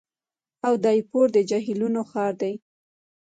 اودایپور د جهیلونو ښار دی.